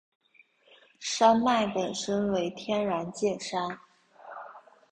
山脉本身为天然界山。